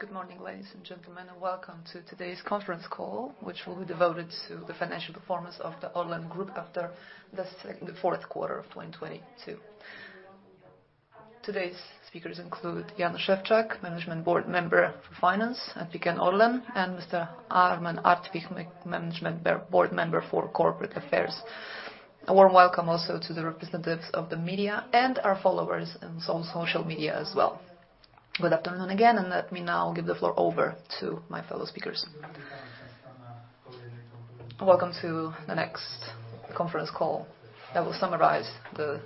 Good morning, ladies and gentlemen, welcome to today's conference call, which will be devoted to the financial performance of the ORLEN Group after the fourth quarter of 2022. Today's speakers include Jan Szewczak, management board member for Finance at PKN ORLEN, and Mr. Armen Artwich, management board member for Corporate Affairs. A warm welcome also to the representatives of the media and our followers on social media as well. Good afternoon again, let me now give the floor over to my fellow speakers. Welcome to the next conference call that will summarize the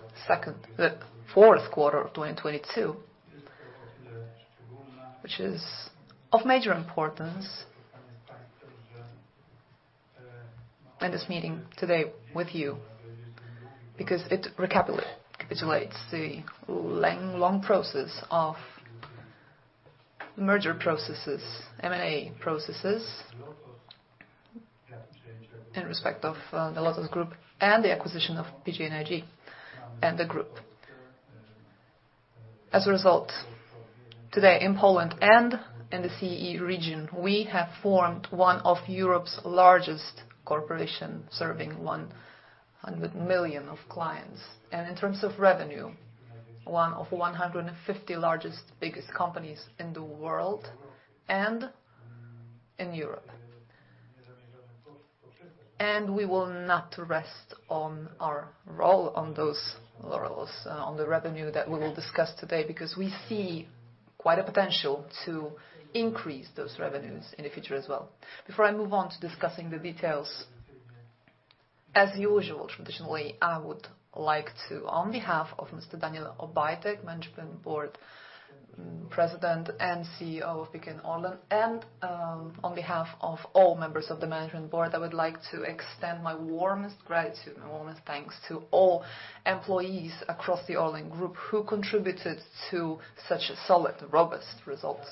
fourth quarter of 2022, which is of major importance in this meeting today with you, because it recapitulates the long process of merger processes, M&A processes in respect of the LOTOS Group and the acquisition of PGNiG and the group. As a result, today in Poland and in the CE region, we have formed one of Europe's largest corporation serving 100 million of clients. In terms of revenue, one of 150 largest, biggest companies in the world and in Europe. We will not rest on those laurels on the revenue that we will discuss today because we see quite a potential to increase those revenues in the future as well. Before I move on to discussing the details, as usual, traditionally, I would like to, on behalf of Mr. Daniel Obajtek, Management Board President and CEO of PKN ORLEN, and on behalf of all members of the management board, I would like to extend my warmest gratitude, my warmest thanks to all employees across the ORLEN Group who contributed to such a solid, robust results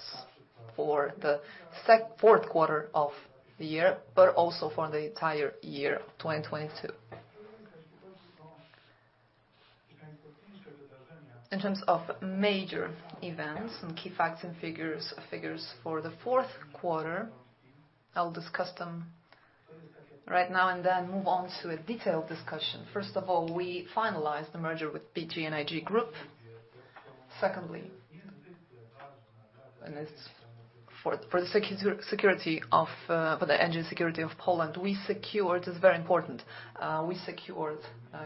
for the fourth quarter of the year, but also for the entire year of 2022. In terms of major events and key facts and figures for the fourth quarter, I'll discuss them right now and then move on to a detailed discussion. First of all, we finalized the merger with PGNiG Group. Secondly, this for the security of, for the energy security of Poland, we secured, this is very important, we secured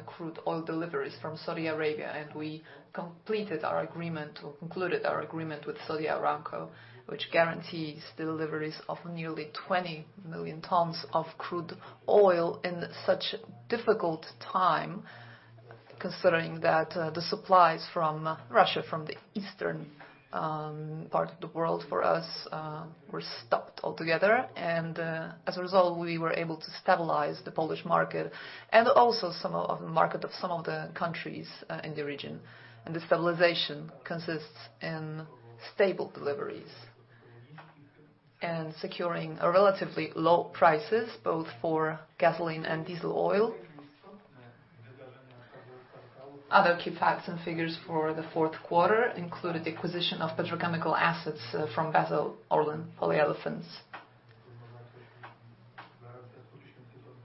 crude oil deliveries from Saudi Arabia, we completed our agreement or concluded our agreement with Saudi Aramco, which guarantees deliveries of nearly 20 million tons of crude oil in such difficult time, considering that the supplies from Russia, from the eastern part of the world for us, were stopped altogether. As a result, we were able to stabilize the Polish market and also some of the market of some of the countries in the region. The stabilization consists in stable deliveries and securing a relatively low prices, both for gasoline and diesel oil. Other key facts and figures for the fourth quarter include acquisition of petrochemical assets from Basell Orlen Polyolefins,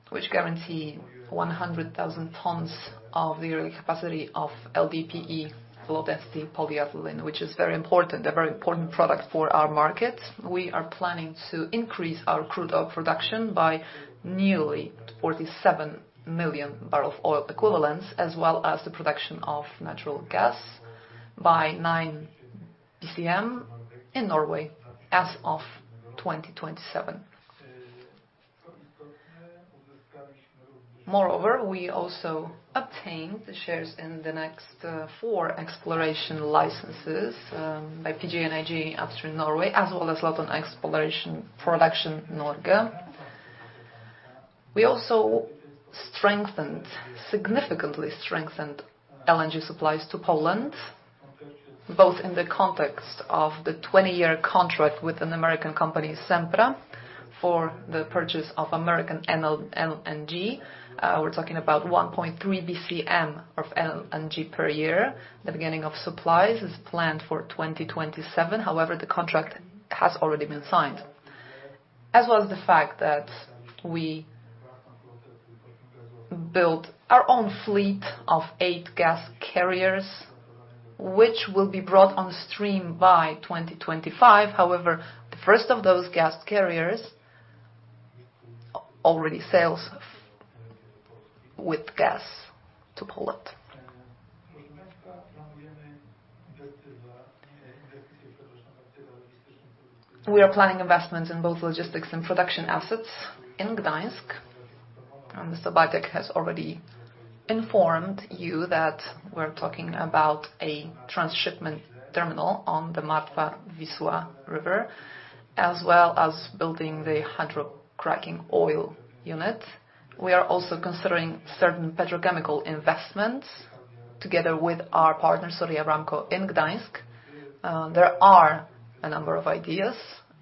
which guarantee 100,000 tons of the yearly capacity of LDPE, low-density polyethylene, which is very important, a very important product for our market. We are planning to increase our crude oil production by nearly 47 million barrel of oil equivalent, as well as the production of natural gas by 9 BCM in Norway as of 2027. Moreover, we also obtained the shares in the next 4 exploration licenses by PGNiG Upstream Norway, as well as LOTOS Exploration and Production Norge. We also significantly strengthened LNG supplies to Poland, both in the context of the 20-year contract with an American company, Sempra, for the purchase of American LNG. We're talking about 1.3 BCM of LNG per year. The beginning of supplies is planned for 2027. The contract has already been signed. As well as the fact that we built our own fleet of 8 gas carriers, which will be brought on stream by 2025. The first of those gas carriers already sails with gas to Poland. We are planning investments in both logistics and production assets in Gdańsk. Mr. Obajtek has already informed you that we're talking about a transshipment terminal on the Martwa Wisła River, as well as building the hydrocracking oil unit. We are also considering certain petrochemical investments together with our partner, Saudi Aramco, in Gdańsk. There are a number of ideas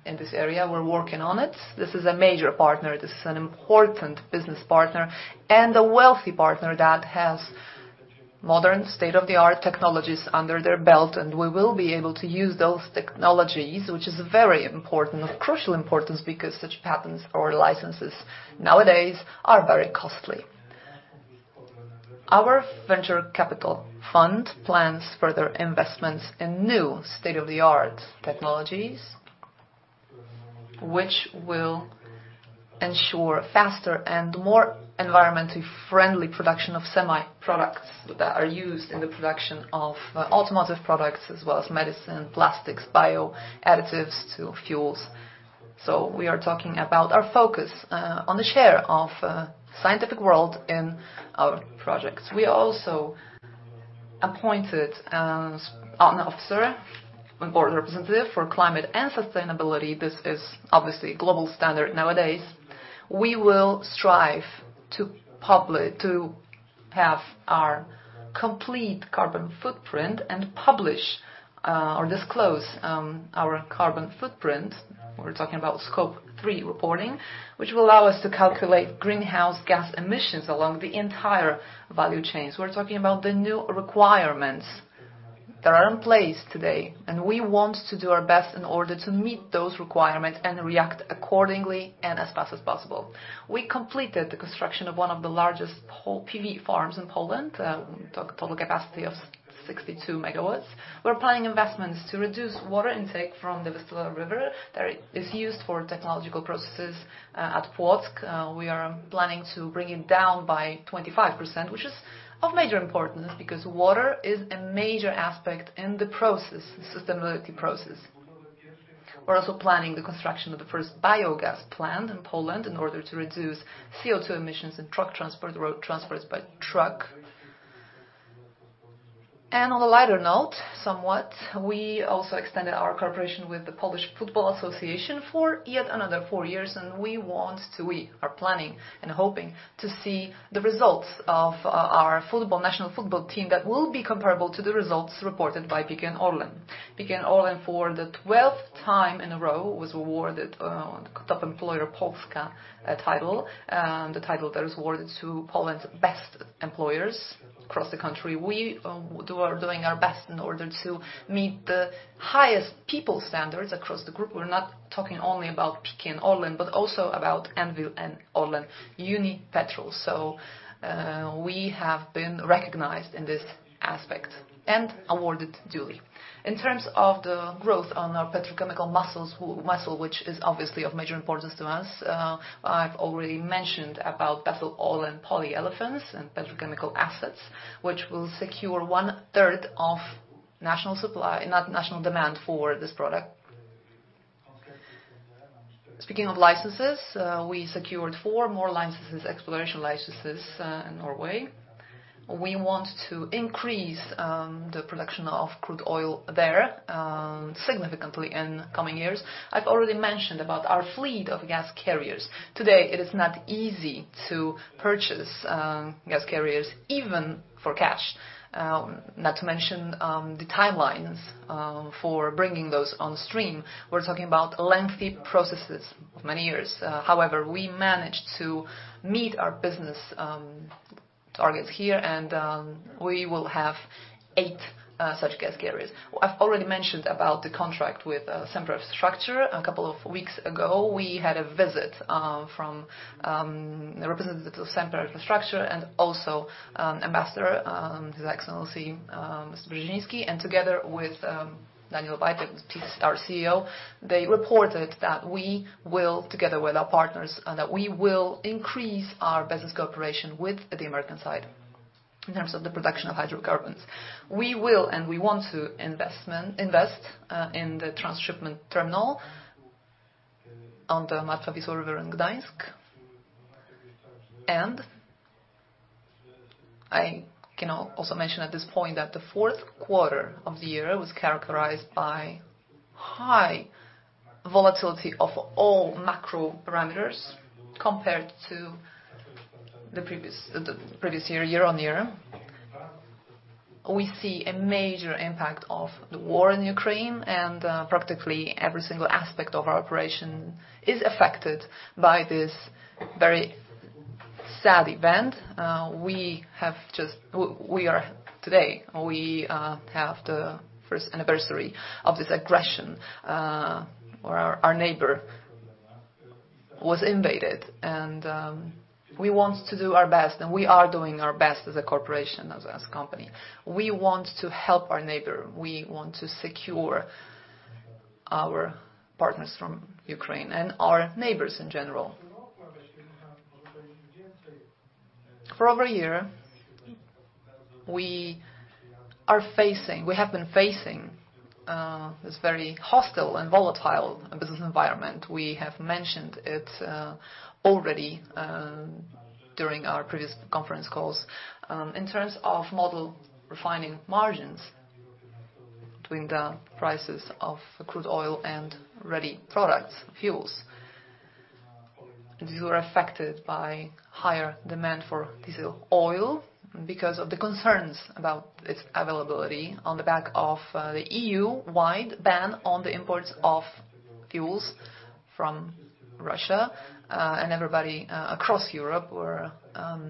in this area. We're working on it. This is a major partner. This is an important business partner and a wealthy partner that has modern state-of-the-art technologies under their belt, and we will be able to use those technologies, which is very important, of crucial importance, because such patents or licenses nowadays are very costly. Our venture capital fund plans further investments in new state-of-the-art technologies, which will ensure faster and more environmentally friendly production of semi-products that are used in the production of automotive products as well as medicine, plastics, bio-additives to fuels. We are talking about our focus on the share of scientific world in our projects. We also appointed an officer, a board representative for climate and sustainability. This is obviously global standard nowadays. We will strive to have our complete carbon footprint and publish or disclose our carbon footprint. We're talking about Scope 3 reporting, which will allow us to calculate greenhouse gas emissions along the entire value chains. We're talking about the new requirements that are in place today, we want to do our best in order to meet those requirements and react accordingly and as fast as possible. We completed the construction of one of the largest PV farms in Poland, total capacity of 62 MW. We're planning investments to reduce water intake from the Vistula River that is used for technological processes at Płock. We are planning to bring it down by 25%, which is of major importance because water is a major aspect in the process, the sustainability process. We're also planning the construction of the first biogas plant in Poland in order to reduce CO₂ emissions in truck transport, road transports by truck. On a lighter note, somewhat, we also extended our cooperation with the Polish Football Association for yet another four years, we are planning and hoping to see the results of our football, national football team that will be comparable to the results reported by PKN ORLEN. PKN ORLEN for the twelfth time in a row was awarded Top Employer Polska title, the title that is awarded to Poland's best employers across the country. We doing our best in order to meet the highest people standards across the group. We're not talking only about PKN ORLEN, but also about ANWIL and ORLEN Unipetrol. We have been recognized in this aspect and awarded duly. In terms of the growth on our petrochemical muscle, which is obviously of major importance to us, I've already mentioned about petrol oil and polyolefins and petrochemical assets, which will secure 1/3 of national demand for this product. Speaking of licenses, we secured four more licenses, exploration licenses, in Norway. We want to increase the production of crude oil there significantly in coming years. I've already mentioned about our fleet of gas carriers. Today, it is not easy to purchase gas carriers even for cash, not to mention the timelines for bringing those on stream. We're talking about lengthy processes of many years. However, we managed to meet our business targets here and we will have eight such gas carriers. I've already mentioned about the contract with Sempra Infrastructure. A couple of weeks ago, we had a visit from a representative of Sempra Infrastructure and also Ambassador, His Excellency, Mr. Brzezinski, and together with Daniel Obajtek, our CEO, they reported that we will, together with our partners, that we will increase our business cooperation with the American side in terms of the production of hydrocarbons. We will and we want to invest in the transshipment terminal on the Martwa Wisła River in Gdańsk. I can also mention at this point that the fourth quarter of the year was characterized by high volatility of all macro parameters compared to the previous, the previous year-on-year. We see a major impact of the war in Ukraine, and practically every single aspect of our operation is affected by this very sad event We are today we have the first anniversary of this aggression where our neighbor was invaded and we want to do our best, and we are doing our best as a corporation, as a company. We want to help our neighbor. We want to secure our partners from Ukraine and our neighbors in general. For over a year, we have been facing this very hostile and volatile business environment. We have mentioned it already during our previous conference calls. In terms of model refining margins between the prices of crude oil and ready products, fuels. These were affected by higher demand for diesel oil because of the concerns about its availability on the back of the EU-wide ban on the imports of fuels from Russia. Everybody across Europe were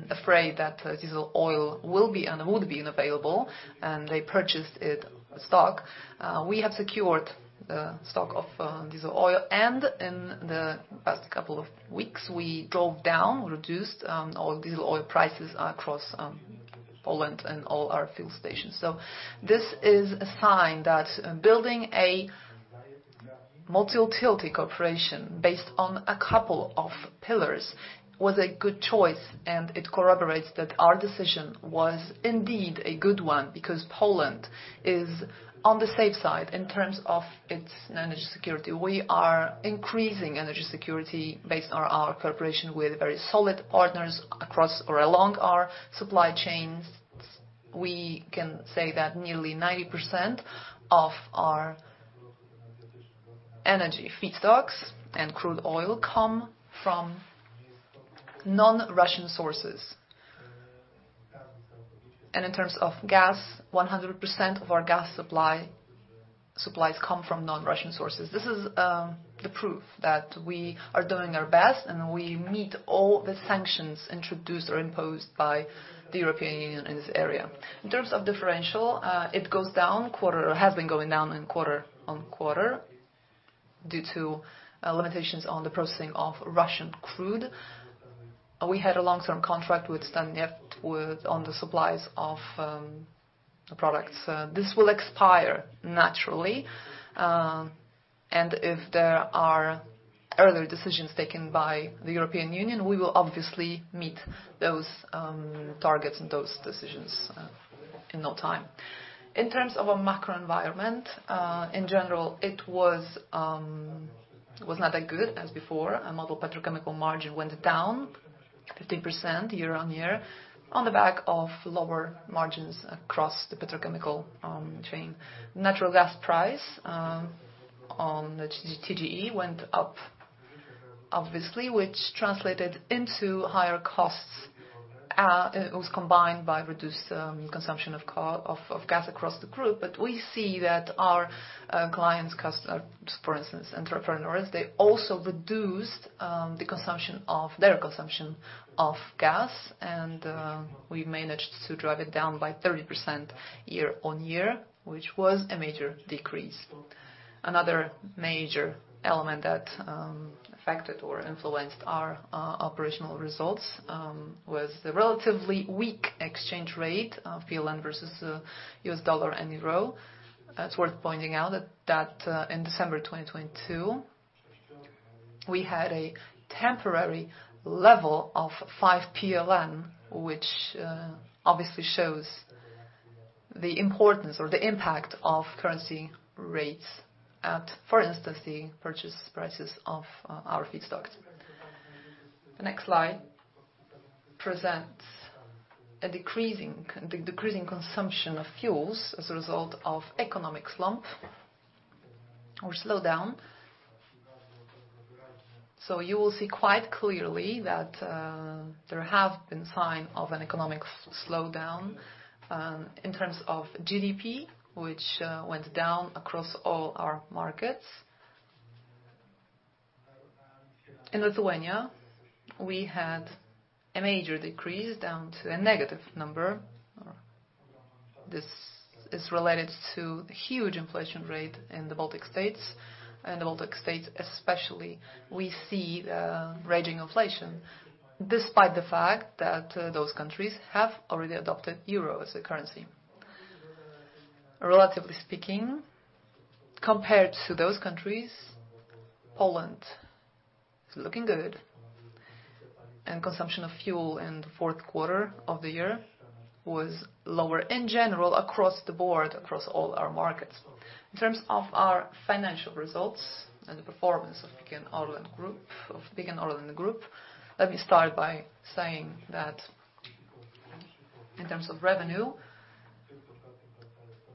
afraid that diesel oil will be and would be available, and they purchased it stock. We have secured the stock of diesel oil, and in the past couple of weeks, we drove down, reduced all diesel oil prices across Poland and all our fuel stations. This is a sign that building a multi utility corporation based on a couple of pillars was a good choice, and it corroborates that our decision was indeed a good one, because Poland is on the safe side in terms of its energy security. We are increasing energy security based on our cooperation with very solid partners across or along our supply chains. We can say that nearly 90% of our energy feedstocks and crude oil come from non-Russian sources. In terms of gas, 100% of our gas supplies come from non-Russian sources. This is the proof that we are doing our best, and we meet all the sanctions introduced or imposed by the European Union in this area. In terms of differential, it goes down quarter or has been going down in quarter-on-quarter due to limitations on the processing of Russian crude. We had a long-term contract with Tatneft on the supplies of products. This will expire naturally. If there are earlier decisions taken by the European Union, we will obviously meet those targets and those decisions in no time. In terms of a macro environment, in general, it was not that good as before. Our model petrochemical margin went down 15% year-on-year on the back of lower margins across the petrochemical chain. Natural gas price on the TGE went up, obviously, which translated into higher costs. It was combined by reduced consumption of gas across the group. We see that our clients, for instance, entrepreneurs, they also reduced their consumption of gas, we managed to drive it down by 30% year-on-year, which was a major decrease. Another major element that affected or influenced our operational results was the relatively weak exchange rate of PLN versus the U.S. dollar and euro. It's worth pointing out that in December 2022, we had a temporary level of 5 PLN, which obviously shows the importance or the impact of currency rates at, for instance, the purchase prices of our feedstocks. The next slide presents a decreasing consumption of fuels as a result of economic slump or slowdown. You will see quite clearly that there have been sign of an economic slowdown in terms of GDP, which went down across all our markets. In Lithuania, we had a major decrease down to a negative number. This is related to the huge inflation rate in the Baltic states. In the Baltic states especially, we see the raging inflation, despite the fact that those countries have already adopted euro as a currency. Relatively speaking, compared to those countries, Poland is looking good. Consumption of fuel in the fourth quarter of the year was lower in general across the board, across all our markets. In terms of our financial results and the performance of PKN ORLEN Group, let me start by saying that in terms of revenue,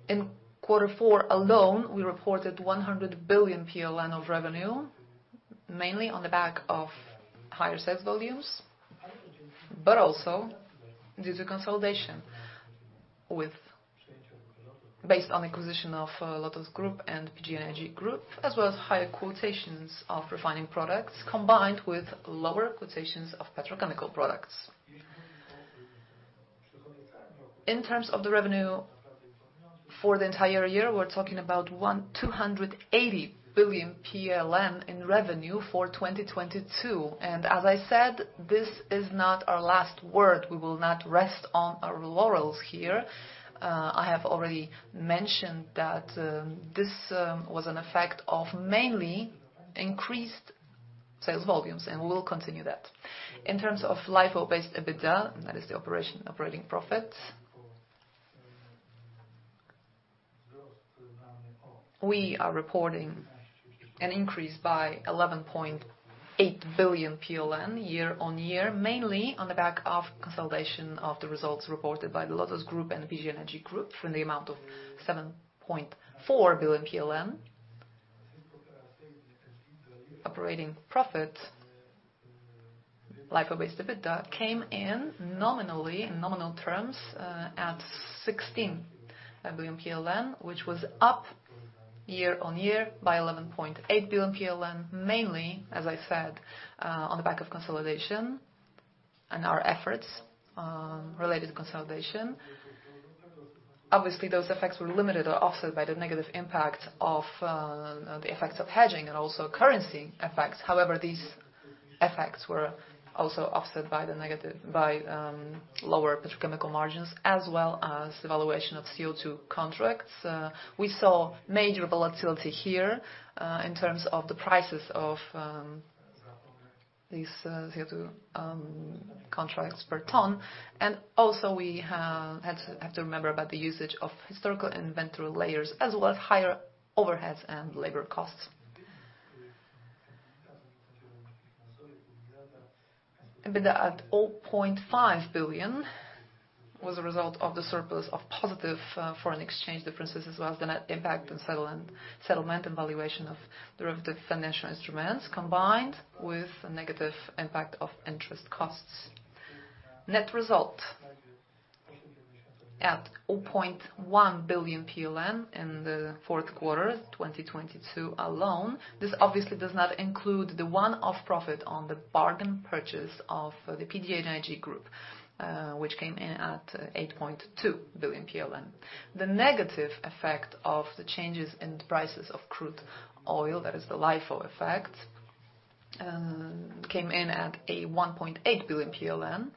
in quarter four alone, we reported 100 billion PLN of revenue, mainly on the back of higher sales volumes, due to consolidation Based on acquisition of LOTOS Group and PGNiG Group, as well as higher quotations of refining products combined with lower quotations of petrochemical products. In terms of the revenue for the entire year, we're talking about 280 billion in revenue for 2022. As I said, this is not our last word. We will not rest on our laurels here. I have already mentioned that this was an effect of mainly increased sales volumes. We will continue that. In terms of LIFO-based EBITDA, that is the operating profit, we are reporting an increase by 11.8 billion PLN year-on-year, mainly on the back of consolidation of the results reported by the LOTOS Group and PGNiG Group from the amount of PLN 7.4 billion. Operating profit LIFO-based EBITDA came in nominally, in nominal terms, at 16 billion PLN, which was up year-on-year by 11.8 billion PLN, mainly, as I said, on the back of consolidation and our efforts related to consolidation. Obviously, those effects were limited or offset by the negative impact of the effects of hedging and also currency effects. These effects were also offset by lower petrochemical margins as well as the valuation of CO₂ contracts. We saw major volatility here in terms of the prices of these CO₂ contracts per ton. Also we have to remember about the usage of historical inventory layers as well as higher overheads and labor costs. EBITDA at 0.5 billion was a result of the surplus of positive foreign exchange differences, as well as the net impact and settlement and valuation of derivative financial instruments, combined with the negative impact of interest costs. Net result at 0.1 billion PLN in the fourth quarter, 2022 alone. This obviously does not include the one-off profit on the bargain purchase of the PGNiG Group, which came in at 8.2 billion PLN. The negative effect of the changes in the prices of crude oil, that is the LIFO effect, came in at a 1.8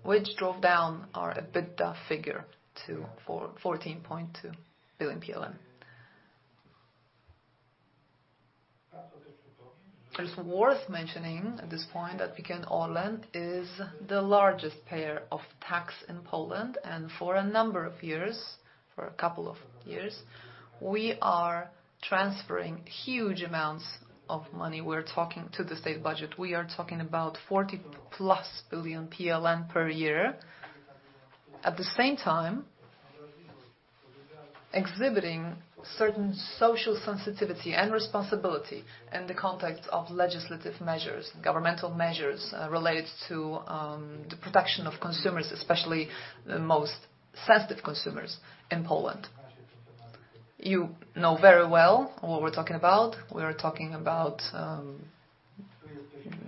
billion PLN, which drove down our EBITDA figure to 414.2 billion PLN. It's worth mentioning at this point that PKN ORLEN is the largest payer of tax in Poland. For a number of years, for a couple of years, we are transferring huge amounts of money, we're talking to the state budget. We are talking about 40+ billion PLN per year. At the same time, exhibiting certain social sensitivity and responsibility in the context of legislative measures, governmental measures, related to the protection of consumers, especially the most sensitive consumers in Poland. You know very well what we're talking about. We're talking about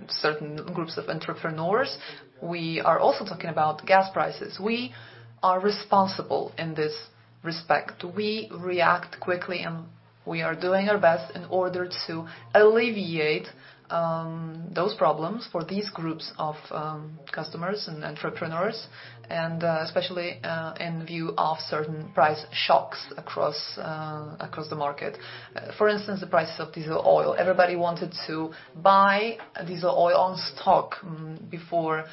certain groups of entrepreneurs. We are also talking about gas prices. We are responsible in this respect. We react quickly, we are doing our best in order to alleviate those problems for these groups of customers and entrepreneurs, especially in view of certain price shocks across the market. For instance, the prices of diesel oil. Everybody wanted to buy diesel oil on stock before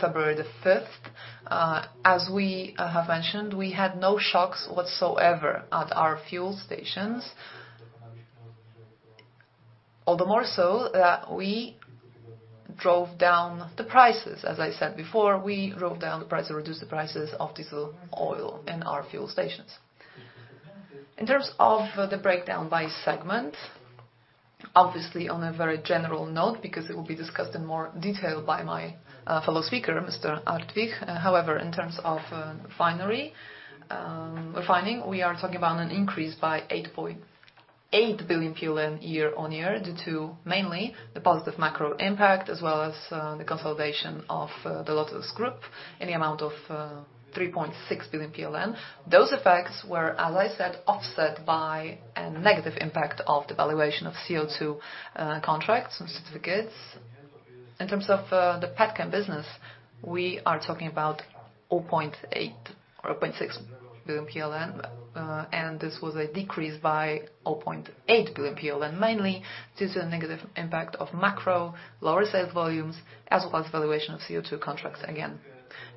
February the 5th. As we have mentioned, we had no shocks whatsoever at our fuel stations. All the more so that we drove down the prices. As I said before, we drove down the price or reduced the prices of diesel oil in our fuel stations. In terms of the breakdown by segment, obviously on a very general note, because it will be discussed in more detail by my fellow speaker, Mr. Artwich. In terms of refinery, refining, we are talking about an increase by 8.8 billion year-on-year due to mainly the positive macro impact as well as the consolidation of the LOTOS Group in the amount of 3.6 billion PLN. Those effects were, as I said, offset by a negative impact of the valuation of CO₂ contracts and certificates. In terms of the petchem business, we are talking about 0.8 or 0.6 billion PLN, and this was a decrease by 0.8 billion PLN, mainly due to the negative impact of macro, lower sales volumes, as well as valuation of CO₂ contracts again.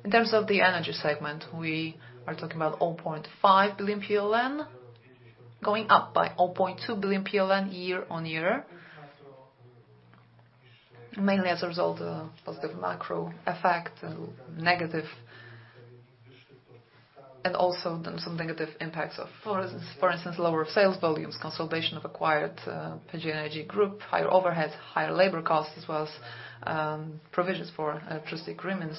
In terms of the energy segment, we are talking about 0.5 billion PLN going up by 0.2 billion PLN year-on-year, mainly as a result of positive macro effect, and also some negative impacts of, for instance, lower sales volumes, consolidation of acquired PGNiG Group, higher overheads, higher labor costs, as well as provisions for electricity agreements,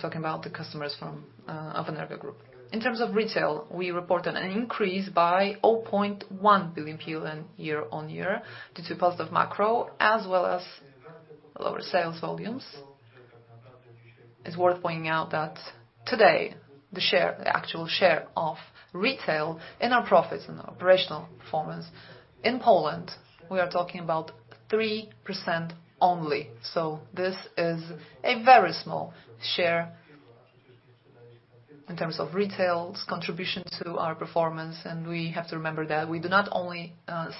talking about the customers from of Energa Group. In terms of retail, we reported an increase by 0.1 billion PLN year-on-year due to positive macro as well as lower sales volumes. It's worth pointing out that today the share, the actual share of retail in our profits and operational performance in Poland, we are talking about 3% only. This is a very small share in terms of retail's contribution to our performance, and we have to remember that we do not only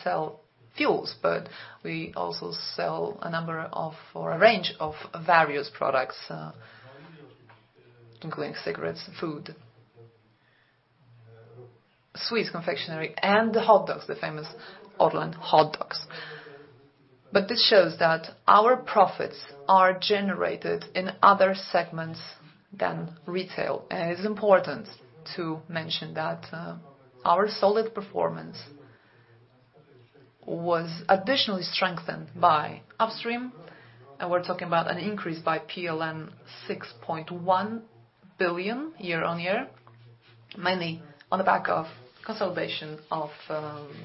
sell fuels, but we also sell a number of or a range of various products, including cigarettes, food, sweets, confectionery, and the hot dogs, the famous ORLEN hot dogs. This shows that our profits are generated in other segments than retail, and it's important to mention that our solid performance was additionally strengthened by upstream, and we're talking about an increase by PLN 6.1 billion year-on-year, mainly on the back of consolidation of the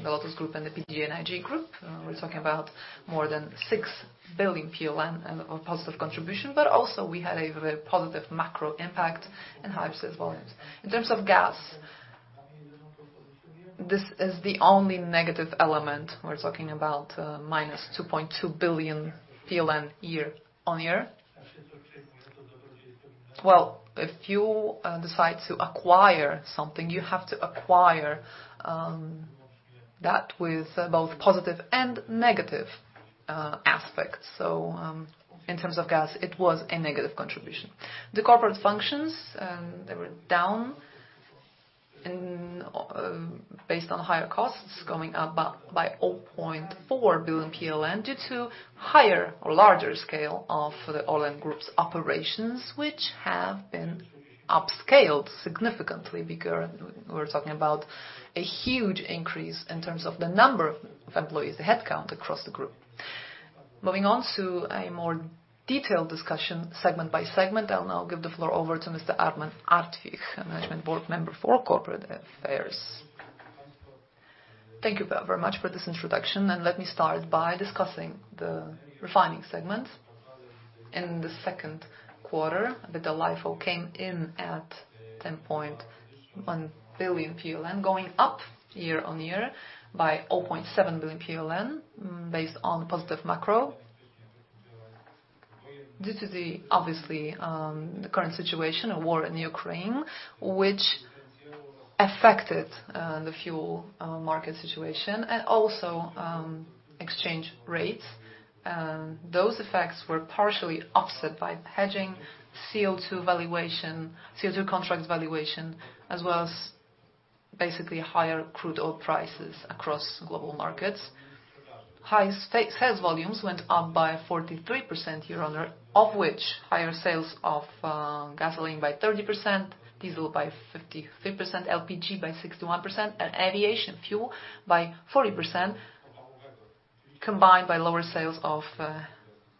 LOTOS Group and the PGNiG Group. We're talking about more than 6 billion PLN and a positive contribution, also we had a very positive macro impact and high sales volumes. In terms of gas, this is the only negative element. We're talking about -2.2 billion PLN year-on-year. If you decide to acquire something, you have to acquire that with both positive and negative aspects. In terms of gas, it was a negative contribution. The corporate functions, they were down in based on higher costs going up by 0.4 billion PLN due to higher or larger scale of the ORLEN Group's operations, which have been upscaled significantly bigger. We're talking about a huge increase in terms of the number of employees, the headcount across the group. Moving on to a more detailed discussion segment-by-segment, I'll now give the floor over to Mr. Armen Artwich, a Member of the Management Board for Corporate Affairs. Thank you very much for this introduction, let me start by discussing the refining segment. In the second quarter, the LIFO came in at 10.1 billion PLN, going up year-on-year by 0.7 billion PLN based on positive macro. Due to the, obviously, the current situation, a war in Ukraine, which affected the fuel market situation and also exchange rates. Those effects were partially offset by hedging CO₂ valuation, CO₂ contract valuation, as well as basically higher crude oil prices across global markets. High sales volumes went up by 43% year-on-year, of which higher sales of gasoline by 30%, diesel by 53%, LPG by 61%, and aviation fuel by 40%, combined by lower sales of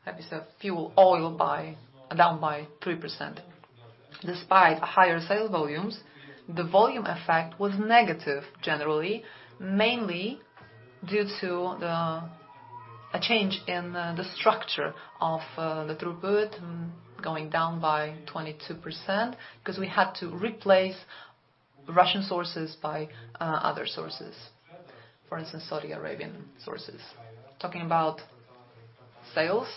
heavy stuff, fuel oil down by 3%. Despite higher sales volumes, the volume effect was negative generally, mainly due to a change in the structure of the throughput going down by 22% because we had to replace Russian sources by other sources, for instance, Saudi Arabian sources. Talking about sales,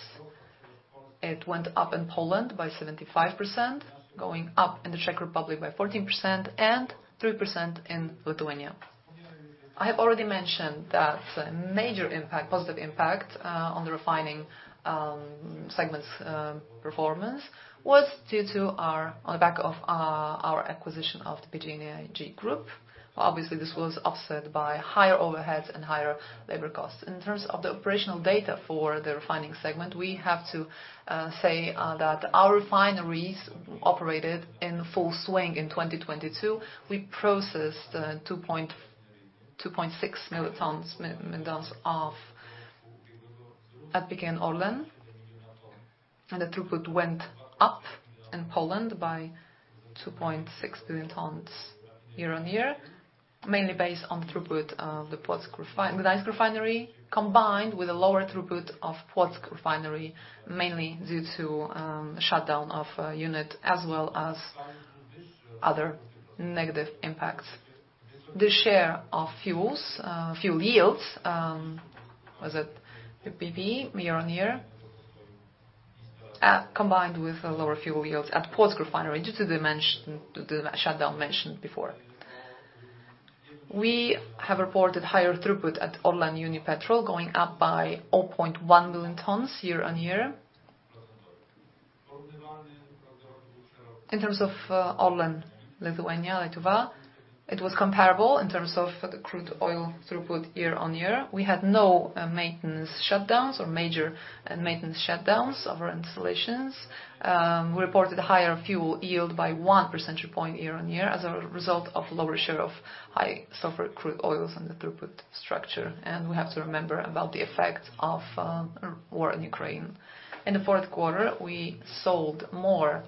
it went up in Poland by 75%, going up in the Czech Republic by 14% and 3% in Lithuania. I have already mentioned that major impact, positive impact on the refining segment's performance was due to on the back of our acquisition of the PGNiG Group. Obviously, this was offset by higher overheads and higher labor costs. In terms of the operational data for the refining segment, we have to say that our refineries operated in full swing in 2022. We processed 2.6 million tons of at PKN ORLEN. The throughput went up in Poland by 2.6 million tons year-on-year, mainly based on throughput of the Gdańsk refinery, combined with a lower throughput of Płock refinery, mainly due to shutdown of a unit as well as other negative impacts. The share of fuels, fuel yields, was at PPV year-on-year, combined with a lower fuel yield at Płock refinery due to the shutdown mentioned before. We have reported higher throughput at ORLEN Unipetrol, going up by 0.1 million tons year-on-year. In terms of ORLEN Lietuva, it was comparable in terms of the crude oil throughput year-on-year. We had no maintenance shutdowns or major maintenance shutdowns of our installations. We reported higher fuel yield by 1 percentage point year-on-year as a result of lower share of high sulfur crude oils in the throughput structure, and we have to remember about the effect of war in Ukraine. In the fourth quarter, we sold more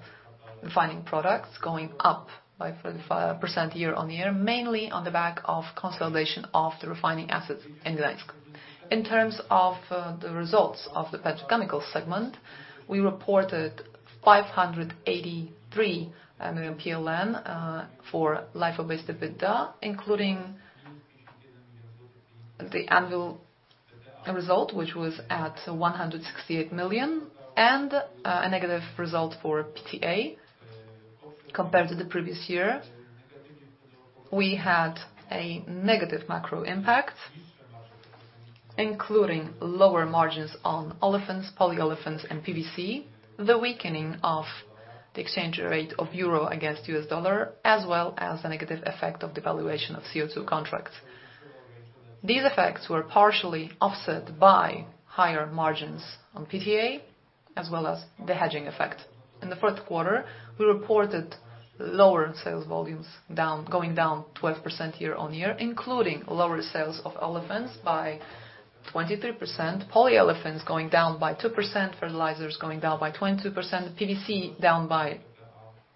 refining products going up by 35% year-on-year, mainly on the back of consolidation of the refining assets in Gdańsk. In terms of the results of the petrochemical segment, we reported PLN 583 million for LIFO-based EBITDA, including the annual result, which was at 168 million and a negative result for PTA compared to the previous year. We had a negative macro impact, including lower margins on olefins, polyolefins and PVC, the weakening of the exchange rate of euro against the U.S. dollar, as well as the negative effect of the valuation of CO₂ contracts. These effects were partially offset by higher margins on PTA as well as the hedging effect. In the fourth quarter, we reported lower sales volumes down, going down 12% year-over-year, including lower sales of olefins by 23%, polyolefins going down by 2%, fertilizers going down by 22%, PVC down by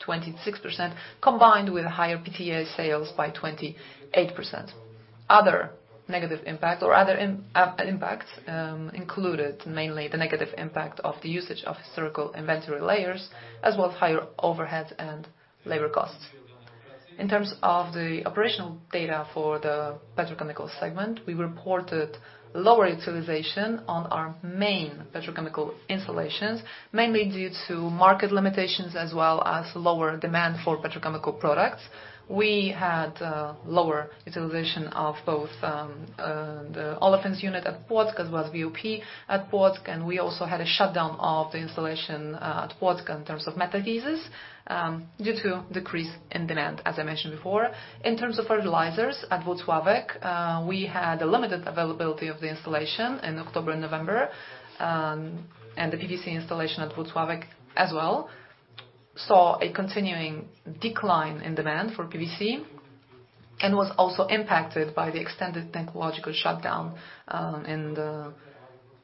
26%, combined with higher PTA sales by 28%. Other negative impact or other impact included mainly the negative impact of the usage of historical inventory layers as well as higher overhead and labor costs. In terms of the operational data for the petrochemical segment, we reported lower utilization on our main petrochemical installations, mainly due to market limitations as well as lower demand for petrochemical products. We had lower utilization of both the olefins unit at Płock as well as VUP at Płock, and we also had a shutdown of the installation at Płock in terms of metathesis due to decrease in demand, as I mentioned before. In terms of fertilizers at Włocławek, we had a limited availability of the installation in October and November, and the PVC installation at Włocławek as well saw a continuing decline in demand for PVC and was also impacted by the extended technological shutdown in the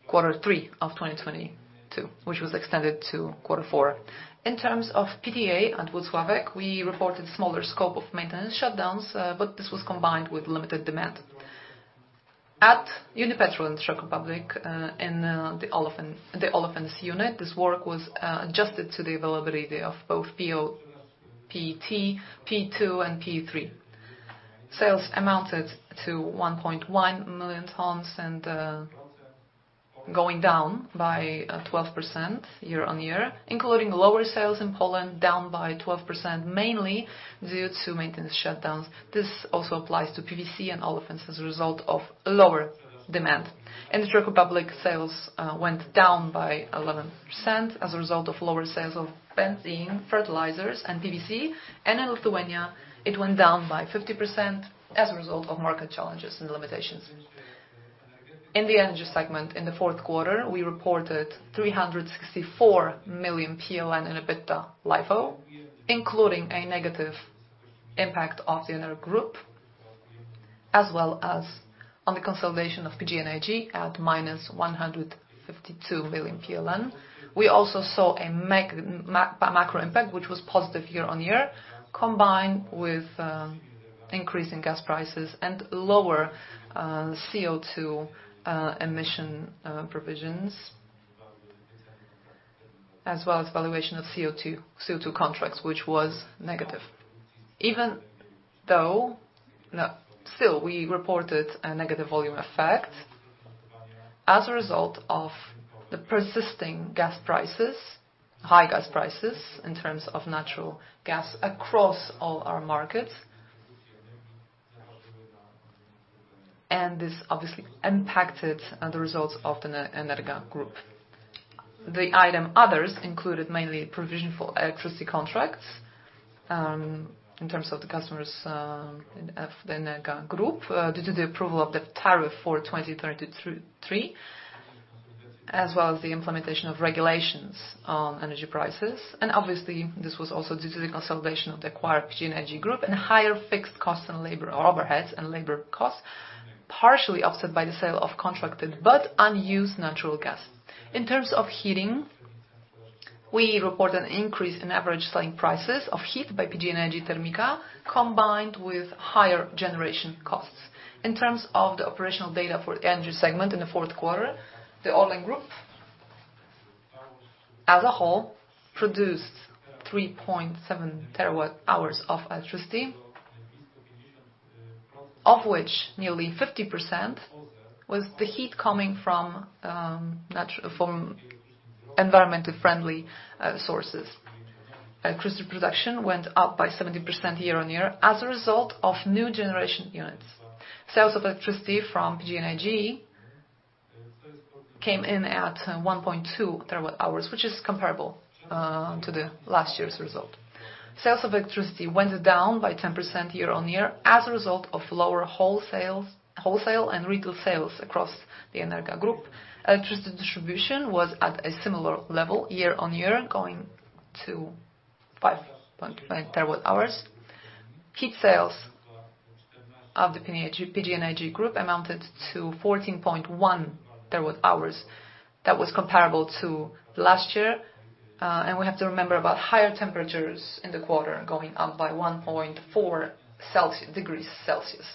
quarter three of 2022, which was extended to quarter four. In terms of PTA at Włocławek, we reported smaller scope of maintenance shutdowns, but this was combined with limited demand. At Unipetrol in the Czech Republic, in the olefins unit, this work was adjusted to the availability of both PO, PT, P2 and P3. Sales amounted to 1.1 million tons and going down by 12% year-on-year, including lower sales in Poland, down by 12%, mainly due to maintenance shutdowns. This also applies to PVC and olefins as a result of lower demand. In the Czech Republic, sales went down by 11% as a result of lower sales of benzene, fertilizers and PVC. In Lithuania, it went down by 50% as a result of market challenges and limitations. In the energy segment in the fourth quarter, we reported 364 million PLN in EBITDA LIFO, including a negative impact of the NR Group as well as on the consolidation of PGNiG at minus 152 million PLN. We also saw a macro impact which was positive year-on-year, combined with increase in gas prices and lower CO₂ emission provisions as well as valuation of CO₂ contracts, which was negative. Still, we reported a negative volume effect as a result of the persisting gas prices, high gas prices in terms of natural gas across all our markets. This obviously impacted the results of the Energa Group. The item others included mainly provision for electricity contracts, in terms of the customers of the Energa Group, due to the approval of the tariff for 2033, as well as the implementation of regulations on energy prices. Obviously, this was also due to the consolidation of the acquired PGNiG Group and higher fixed costs and labor overheads and labor costs, partially offset by the sale of contracted but unused natural gas. In terms of heating, we report an increase in average selling prices of heat by PGNiG TERMIKA, combined with higher generation costs. In terms of the operational data for the energy segment in the fourth quarter, the ORLEN Group as a whole produced 3.7 TWh of electricity, of which nearly 50% was the heat coming from environmentally friendly sources. Electricity production went up by 70% year-on-year as a result of new generation units. Sales of electricity from PGNiG came in at 1.2 TWh, which is comparable to the last year's result. Sales of electricity went down by 10% year-on-year as a result of lower wholesales, wholesale and retail sales across the Energa Group. Electricity distribution was at a similar level year-on-year, going to 5.5 TWh. Heat sales of the PGNiG Group amounted to 14.1 TWh. That was comparable to last year. We have to remember about higher temperatures in the quarter going up by 1.4 degrees Celsius.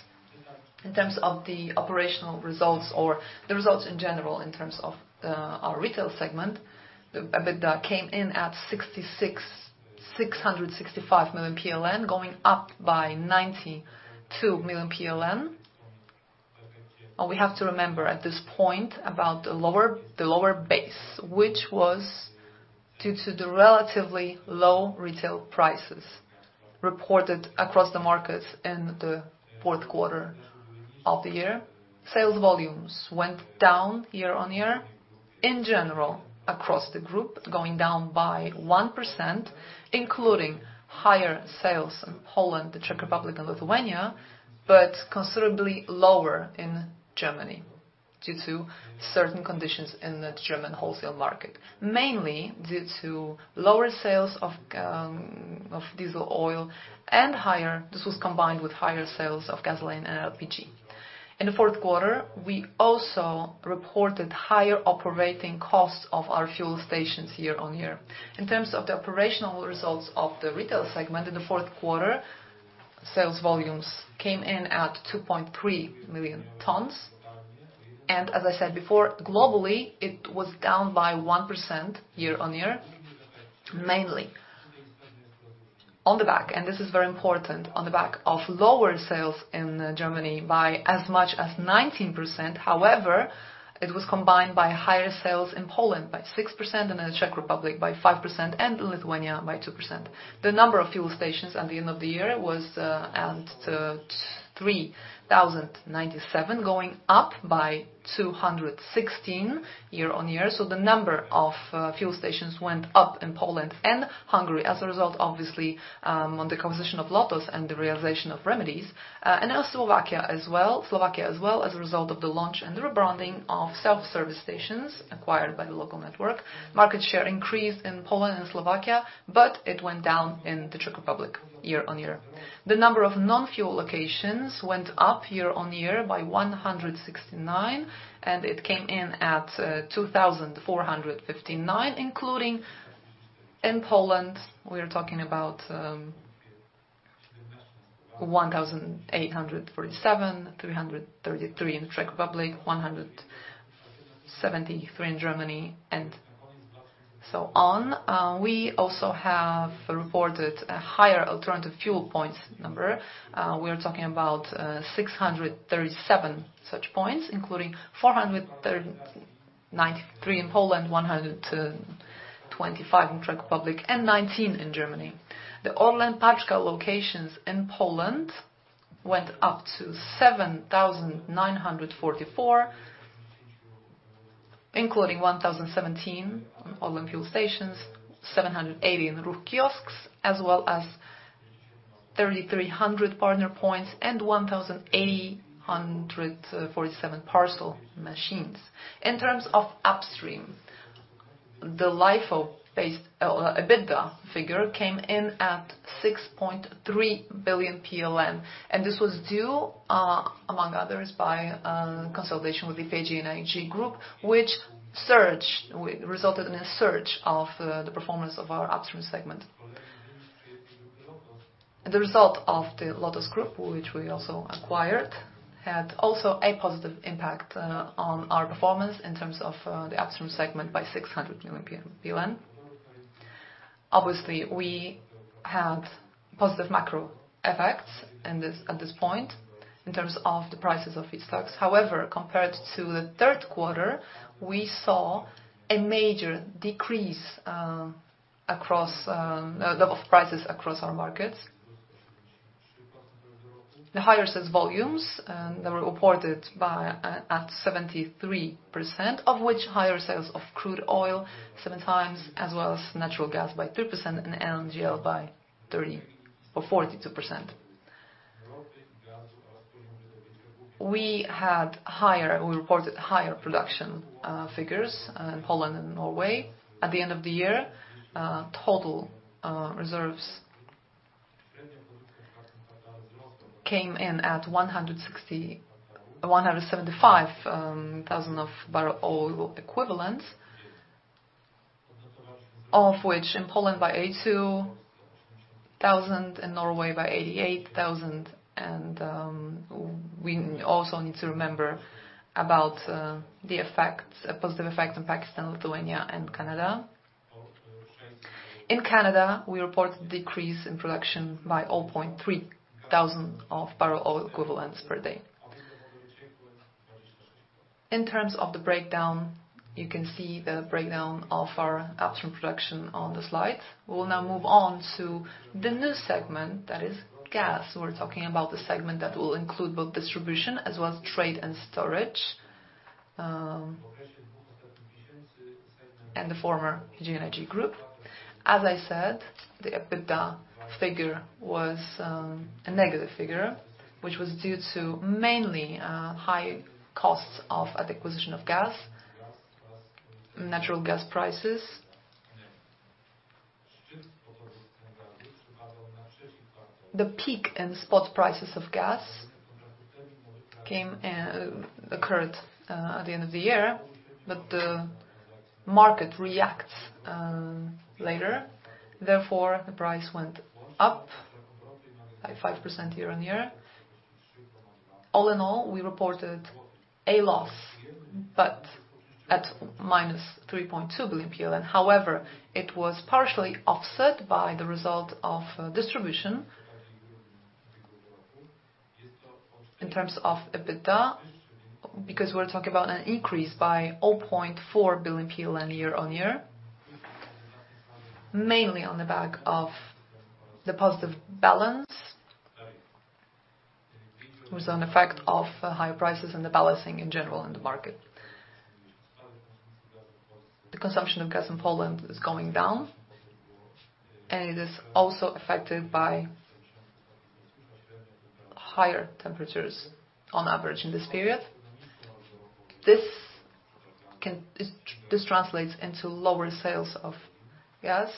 In terms of the operational results or the results in general in terms of our retail segment, the EBITDA came in at 66,665 million PLN, going up by 92 million PLN. We have to remember at this point about the lower base, which was due to the relatively low retail prices reported across the markets in the fourth quarter of the year. Sales volumes went down year-on-year. In general, across the group, going down by 1%, including higher sales in Poland, the Czech Republic, and Lithuania, but considerably lower in Germany due to certain conditions in the German wholesale market, mainly due to lower sales of diesel oil and this was combined with higher sales of gasoline and LPG. In the fourth quarter, we also reported higher operating costs of our fuel stations year-on-year. In terms of the operational results of the retail segment in the fourth quarter, sales volumes came in at 2.3 million tons, as I said before globally it was down by 1% year-on-year, mainly on the back of lower sales in Germany by as much as 19%. It was combined by higher sales in Poland by 6% and in the Czech Republic by 5% and in Lithuania by 2%. The number of fuel stations at the end of the year was at 3,097, going up by 216 year-on-year. The number of fuel stations went up in Poland and Hungary as a result, obviously, on the acquisition of LOTOS and the realization of remedies, and now Slovakia as well as a result of the launch and the rebranding of self-service stations acquired by the local network. Market share increased in Poland and Slovakia, it went down in the Czech Republic year-on-year. The number of non-fuel locations went up year-on-year by 169, and it came in at 2,459, including in Poland, we're talking about 1,847, 333 in the Czech Republic, 173 in Germany, and so on. We also have reported a higher alternative fuel points number. We're talking about 637 such points, including 439 in Poland, 125 in Czech Republic, and 19 in Germany. The ORLEN Paczka locations in Poland went up to 7,944, including 1,017 ORLEN fuel stations, 780 in Ruch kiosks, as well as 3,300 partner points and 1,847 parcel machines. In terms of upstream, the LIFO EBITDA figure came in at 6.3 billion PLN, and this was due, among others, by consolidation with the PGNiG Group, which resulted in a surge of the performance of our upstream segment. The result of the LOTOS Group, which we also acquired, had also a positive impact on our performance in terms of the upstream segment by 600 million. Obviously, we had positive macro effects at this point in terms of the prices of feedstocks. However, compared to the third quarter, we saw a major decrease across of prices across our markets. The higher sales volumes, they were reported at 73%, of which higher sales of crude oil 7x as well as natural gas by 2% and LNG by 30% or 42%. We reported higher production figures in Poland and Norway. At the end of the year, total reserves came in at 175,000 of barrel of oil equivalent, of which in Poland by 82,000, in Norway by 88,000. We also need to remember about the effects, positive effect in Pakistan, Lithuania and Canada. In Canada, we reported decrease in production by 0.3 thousand of barrel of oil equivalents per day. In terms of the breakdown, you can see the breakdown of our upstream production on the slide. We will now move on to the new segment that is gas. We're talking about the segment that will include both distribution as well as trade and storage, and the former PGNiG Group. As I said, the EBITDA figure was a negative figure, which was due to mainly high costs of acquisition of gas, natural gas prices. The peak in spot prices of gas occurred at the end of the year, the market reacts later. The price went up by 5% year-on-year. We reported a loss at -3.2 billion PLN. It was partially offset by the result of distribution in terms of EBITDA, we're talking about an increase by 0.4 billion year-on-year, mainly on the back of the positive balance was an effect of higher prices and the balancing in general in the market. The consumption of gas in Poland is going down, it is also affected by higher temperatures on average in this period. This translates into lower sales of gas.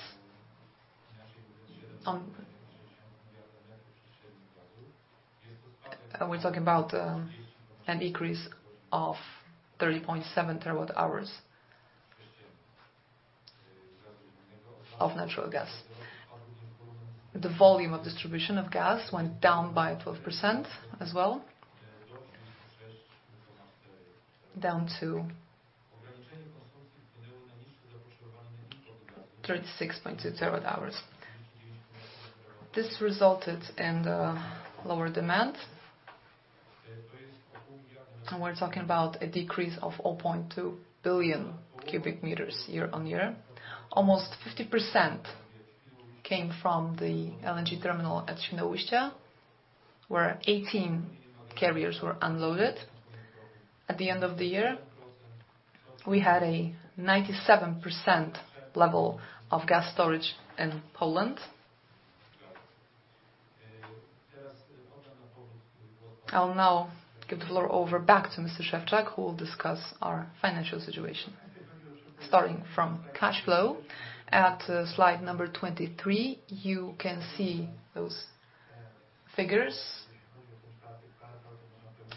We're talking about an increase of 30.7 TWh of natural gas. The volume of distribution of gas went down by 12% as well, down to 36.2 TWh. This resulted in lower demand. We're talking about a decrease of 0.2 billion cubic meters year-over-year. Almost 50% came from the LNG terminal at Świnoujście, where 18 carriers were unloaded. At the end of the year, we had a 97% level of gas storage in Poland. I'll now give the floor over back to Mr. Szewczak, who will discuss our financial situation. Starting from cash flow at slide number 23, you can see those figures.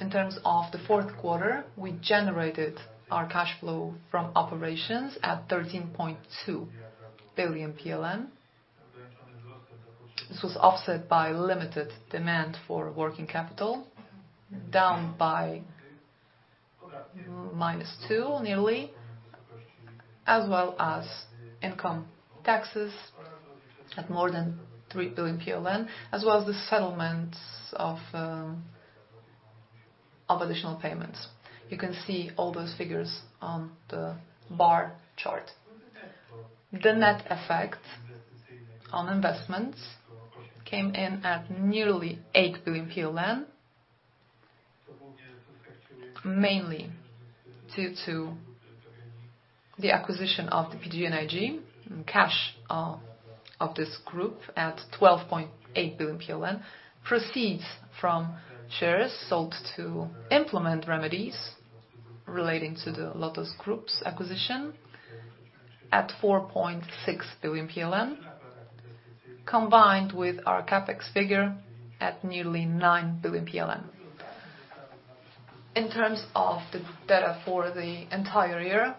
In terms of the fourth quarter, we generated our cash flow from operations at 13.2 billion PLN. This was offset by limited demand for working capital, down by -2 nearly, as well as income taxes at more than 3 billion PLN, as well as the settlements of additional payments. You can see all those figures on the bar chart. The net effect on investments came in at nearly 8 billion PLN, mainly due to the acquisition of the PGNiG and cash of this group at 12.8 billion PLN, proceeds from shares sold to implement remedies relating to the LOTOS Group's acquisition at 4.6 billion PLN, combined with our CapEx figure at nearly 9 billion PLN. In terms of the data for the entire year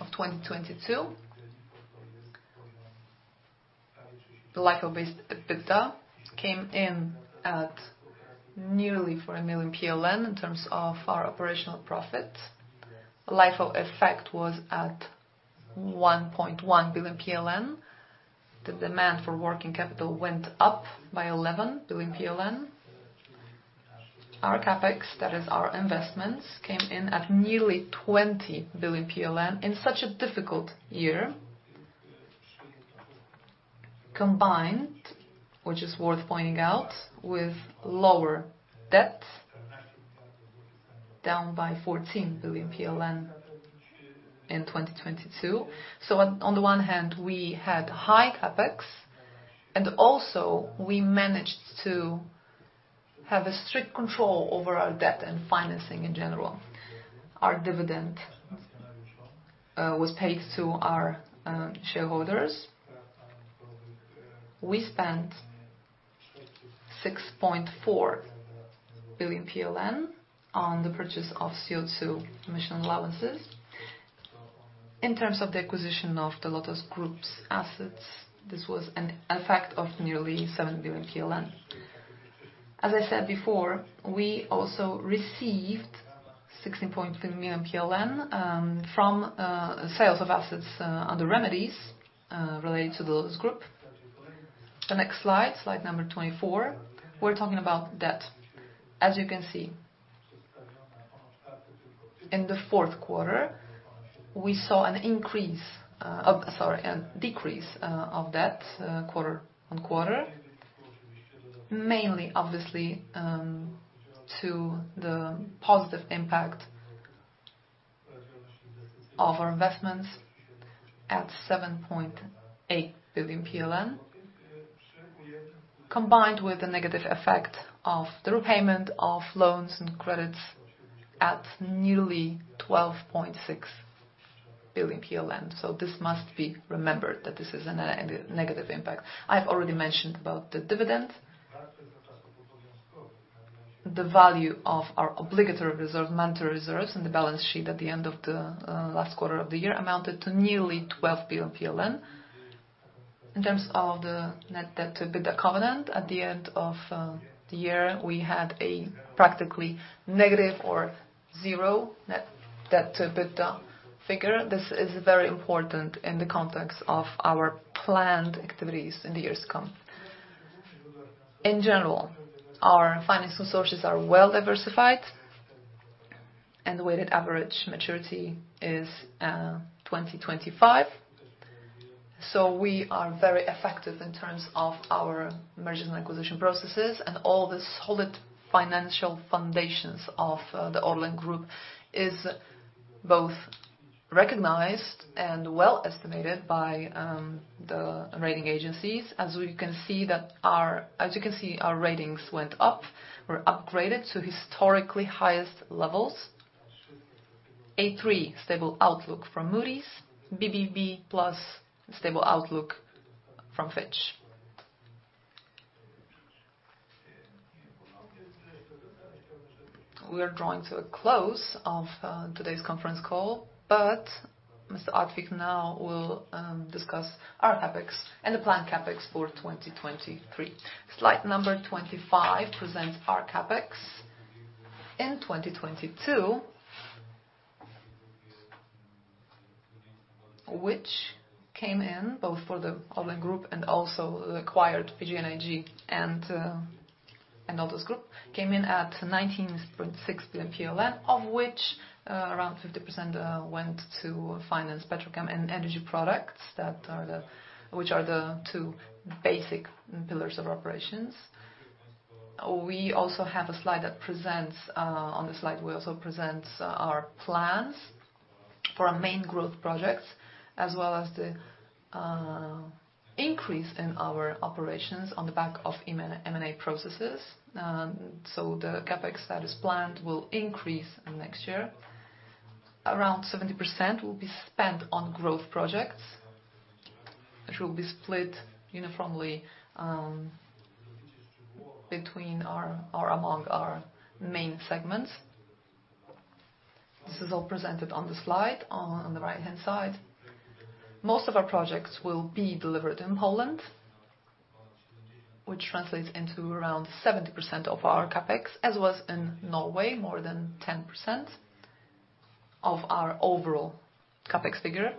of 2022, the LIFO-based EBITDA came in at nearly 4 million PLN in terms of our operational profit. LIFO effect was at 1.1 billion PLN. The demand for working capital went up by 11 billion PLN. Our CapEx, that is our investments, came in at nearly 20 billion PLN in such a difficult year. Combined, which is worth pointing out, with lower debt, down by 14 billion PLN in 2022. On the one hand, we had high CapEx, and also we managed to have a strict control over our debt and financing in general. Our dividend was paid to our shareholders. We spent 6.4 billion PLN on the purchase of CO₂ emission allowances. In terms of the acquisition of the LOTOS Group's assets, this was an effect of nearly 7 billion PLN. As I said before, we also received 16.3 million PLN from sales of assets under remedies related to the LOTOS Group. The next slide number 24, we're talking about debt. As you can see, in the fourth quarter, we saw an increase, a decrease of debt quarter on quarter, mainly obviously to the positive impact of our investments at 7.8 billion PLN, combined with the negative effect of the repayment of loans and credits at nearly 12.6 billion PLN. This must be remembered that this is a negative impact. I've already mentioned about the dividend. The value of our obligatory reserve, mandatory reserves in the balance sheet at the end of the last quarter of the year amounted to nearly 12 billion PLN. In terms of the net debt to EBITDA covenant, at the end of the year, we had a practically negative or zero net debt to EBITDA figure. This is very important in the context of our planned activities in the years to come. In general, our financial resources are well diversified. The weighted average maturity is 2025. We are very effective in terms of our mergers and acquisition processes and all the solid financial foundations of the ORLEN Group is both recognized and well estimated by the rating agencies. As you can see, our ratings went up. We're upgraded to historically highest levels. A3 stable outlook from Moody's. BBB+ stable outlook from Fitch. We are drawing to a close of today's conference call, but Mr. Artwich now will discuss our CapEx and the planned CapEx for 2023. Slide number 25 presents our CapEx in 2022. Which came in both for the ORLEN Group and also the acquired PGNiG and LOTOS Group came in at 19.6 billion PLN, of which around 50% went to finance Petrochem and energy products which are the two basic pillars of operations. We also have a slide that presents on the slide, we also present our plans for our main growth projects, as well as the increase in our operations on the back of M&A processes. The CapEx that is planned will increase next year. Around 70% will be spent on growth projects, which will be split uniformly between our main segments. This is all presented on the slide on the right-hand side. Most of our projects will be delivered in Poland, which translates into around 70% of our CapEx, as was in Norway, more than 10% of our overall CapEx figure.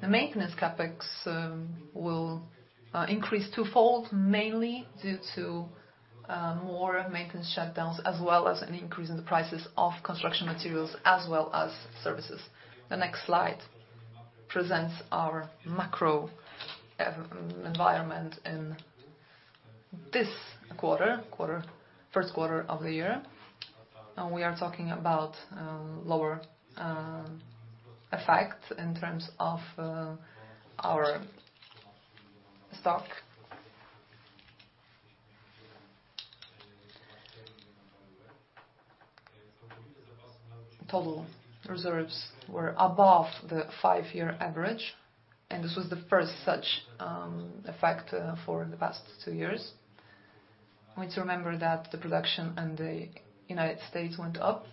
The maintenance CapEx will increase twofold, mainly due to more maintenance shutdowns, as well as an increase in the prices of construction materials as well as services. The next slide presents our macro environment in this quarter, first quarter of the year. We are talking about lower effect in terms of our stock. Total reserves were above the 5-year average, and this was the first such effect for the past 2 years. We need to remember that the production in the United States went up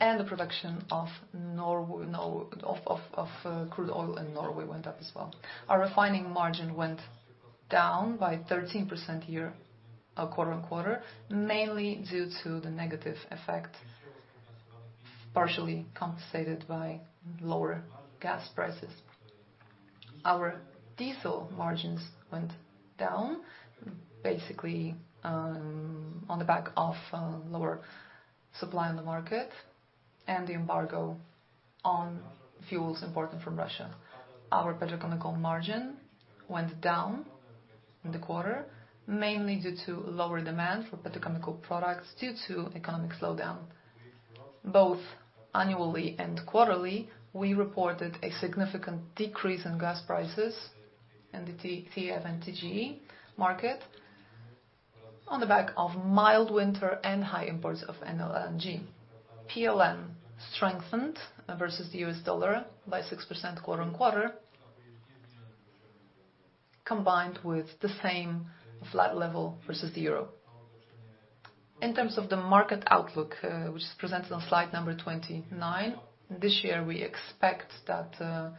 and the production of crude oil in Norway went up as well. Our refining margin went down by 13% quarter-on-quarter, mainly due to the negative effect, partially compensated by lower gas prices. Our diesel margins went down, basically, on the back of lower supply on the market and the embargo on fuels imported from Russia. Our petrochemical margin went down in the quarter, mainly due to lower demand for petrochemical products due to economic slowdown. Both annually and quarterly, we reported a significant decrease in gas prices in the TTF and TGE market on the back of mild winter and high imports of LNG. PLN strengthened versus the U.S. dollar by 6% quarter-on-quarter, combined with the same flat level versus the euro. In terms of the market outlook, which is presented on slide number 29, this year we expect that the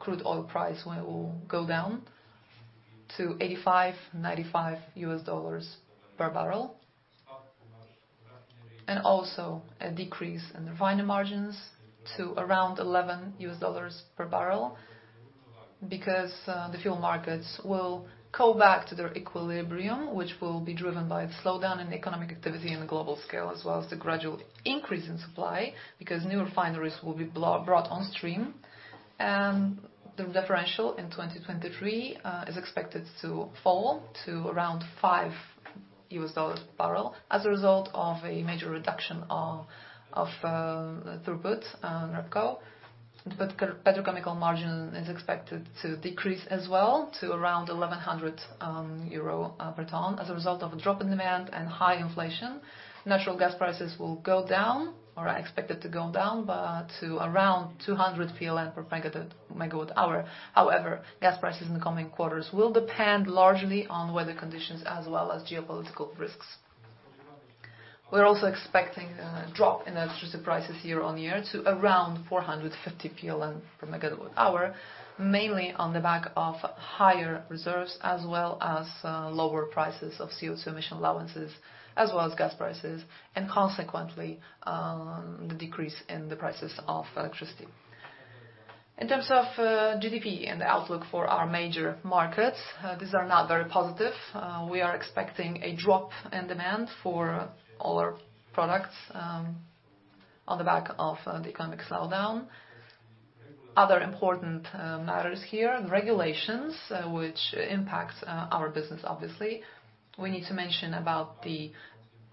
crude oil price will go down to $85-$95 per barrel. Also a decrease in refinery margins to around $11 per barrel because the fuel markets will go back to their equilibrium, which will be driven by a slowdown in economic activity in the global scale as well as the gradual increase in supply because new refineries will be brought on stream. The differential in 2023 is expected to fall to around $5 per barrel as a result of a major reduction of throughput, Repco. The petro-petrochemical margin is expected to decrease as well to around 1,100 euro per ton as a result of a drop in demand and high inflation. Natural gas prices will go down, or are expected to go down to around 200 PLN per megawatt hour. Gas prices in the coming quarters will depend largely on weather conditions as well as geopolitical risks. We're also expecting a drop in electricity prices year-over-year to around 450 PLN per megawatt hour, mainly on the back of higher reserves as well as lower prices of CO₂ emission allowances as well as gas prices and consequently, the decrease in the prices of electricity. In terms of GDP and the outlook for our major markets, these are not very positive. We are expecting a drop in demand for all our products on the back of the economic slowdown. Other important matters here, regulations which impacts our business, obviously. We need to mention about the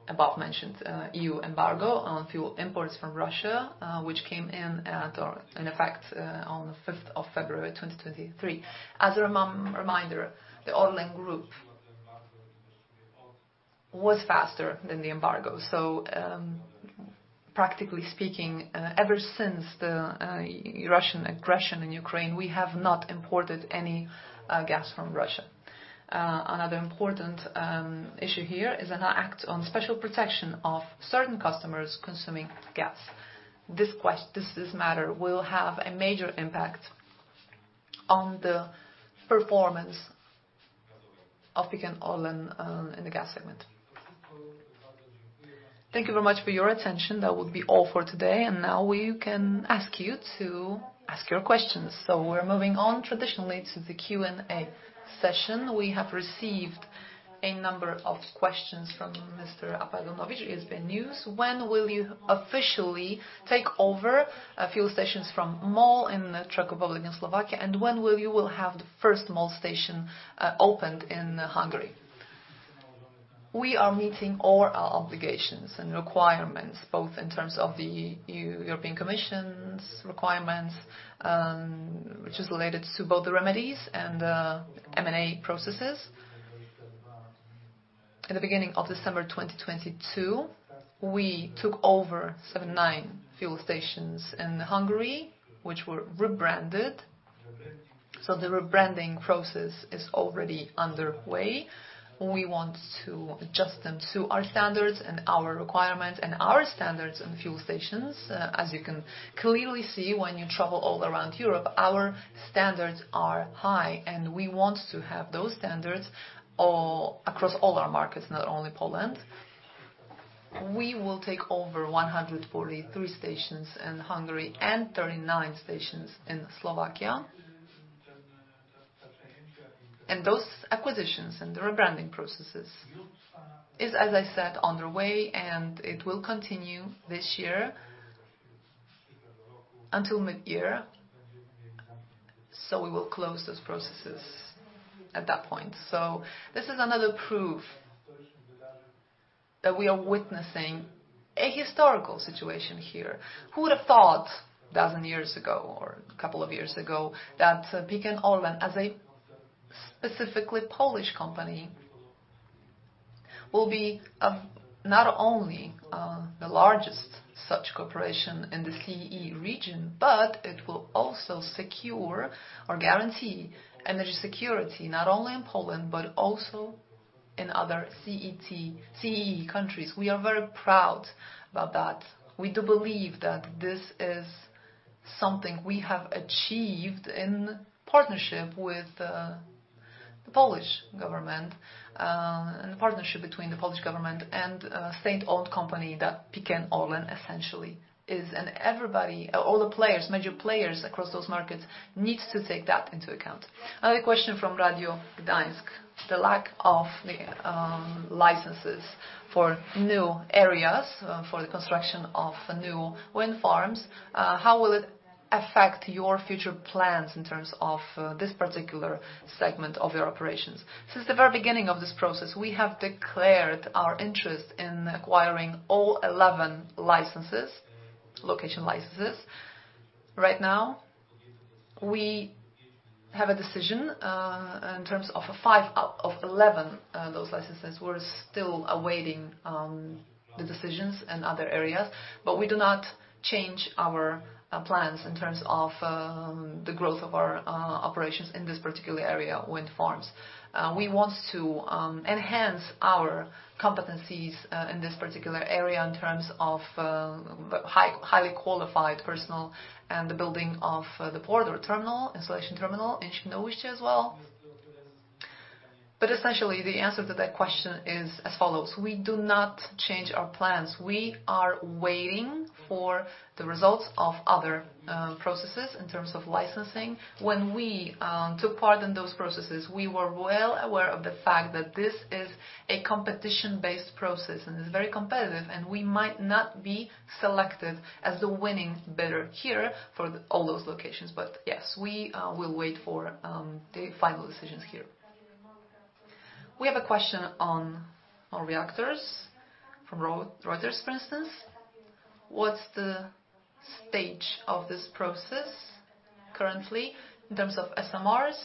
above-mentioned EU embargo on fuel imports from Russia, which came in at, or in effect, on the 5th of February, 2023. As a reminder, the ORLEN Group was faster than the embargo. Practically speaking, ever since the Russian aggression in Ukraine, we have not imported any gas from Russia. Another important issue here is an act on special protection of certain customers consuming gas. This matter will have a major impact on the performance of PKN ORLEN in the gas segment. Thank you very much for your attention. That would be all for today. Now we can ask you to ask your questions. We're moving on traditionally to the Q&A session. We have received a number of questions from Mr. Apaldonovich, ISBnews. When will you officially take over a few stations from MOL in the Trnava, Slovakia, and when will you will have the first MOL station opened in Hungary? We are meeting all our obligations and requirements, both in terms of the European Commission's requirements, which is related to both the remedies and M&A processes. In the beginning of December 2022, we took over 79 fuel stations in Hungary, which were rebranded. The rebranding process is already underway. We want to adjust them to our standards and our requirements, and our standards in fuel stations, as you can clearly see when you travel all around Europe, our standards are high, and we want to have those standards across all our markets, not only Poland. We will take over 143 stations in Hungary and 39 stations in Slovakia. Those acquisitions and the rebranding processes is, as I said, on their way, and it will continue this year until mid-year. We will close those processes at that point. This is another proof that we are witnessing a historical situation here. Who would have thought 1,000 years ago or couple years ago that PKN ORLEN, as a specifically Polish company, will be not only the largest such corporation in the CEE region, but it will also secure or guarantee energy security, not only in Poland, but also in other CEE countries. We are very proud about that. We do believe that this is something we have achieved in partnership with the Polish government, the partnership between the Polish government and a state-owned company that PKN ORLEN essentially is. Everybody, all the players, major players across those markets, needs to take that into account. Another question from Radio Gdańsk. The lack of the licenses for new areas for the construction of new wind farms, how will it affect your future plans in terms of this particular segment of your operations? Since the very beginning of this process, we have declared our interest in acquiring all 11 licenses, location licenses. Right now, we have a decision in terms of 5 out of 11 those licenses. We're still awaiting the decisions in other areas. We do not change our plans in terms of the growth of our operations in this particular area, wind farms. We want to enhance our competencies in this particular area in terms of highly qualified personnel and the building of the border terminal, installation terminal in Świnoujście as well. Essentially, the answer to that question is as follows: We do not change our plans. We are waiting for the results of other processes in terms of licensing. When we took part in those processes, we were well aware of the fact that this is a competition-based process, and it's very competitive, and we might not be selected as the winning bidder here for all those locations. Yes, we will wait for the final decisions here. We have a question on our reactors from Reuters, for instance. What's the stage of this process currently in terms of SMRs?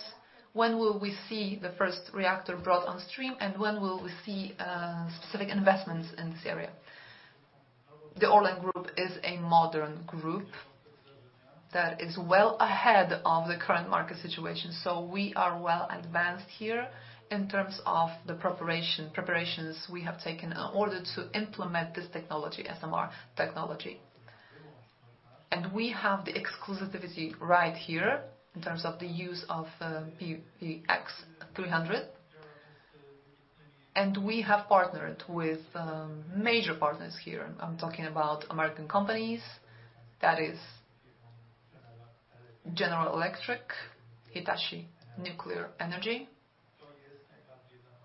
When will we see the first reactor brought on stream? When will we see specific investments in this area? The ORLEN Group is a modern group that is well ahead of the current market situation. We are well advanced here in terms of the preparations we have taken in order to implement this technology, SMR technology. We have the exclusivity right here in terms of the use of BWRX-300. We have partnered with major partners here. I'm talking about American companies. That is, General Electric, Hitachi Nuclear Energy.